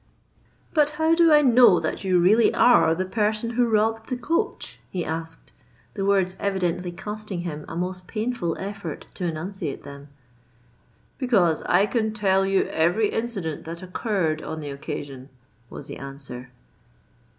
—"But how do I know that you really are the person who robbed the coach?" he asked, the words evidently costing him a most painful effort to enunciate them.—"Because I can tell you every incident that occurred on the occasion," was the answer.